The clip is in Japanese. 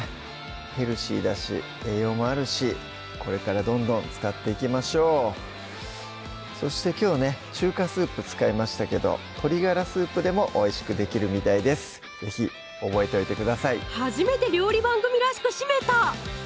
ヘルシーだし栄養もあるしこれからどんどん使っていきましょうそしてきょうね中華スープ使いましたけど鶏がらスープでもおいしくできるみたいです是非覚えておいてください初めて料理番組らしく締めた！